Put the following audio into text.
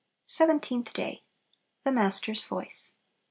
Seventeenth Day. The Master's Voice.